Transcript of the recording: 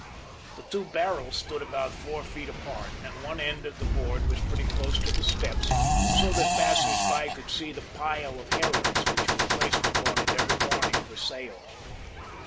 The two barrels stood about four feet apart, and one end of the board was pretty close to the steps, so that passers by could see the pile of "Heralds" which were placed upon it every morning for sale.